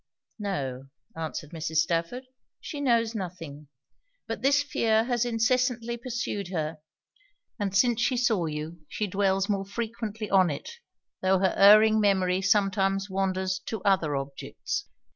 'No,' answered Mrs. Stafford, 'she knows nothing. But this fear has incessantly pursued her; and since she saw you she dwells more frequently on it, tho' her erring memory sometimes wanders to other objects.'